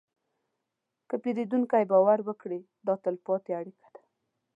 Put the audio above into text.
که پیرودونکی باور وکړي، دا تلپاتې اړیکه ده.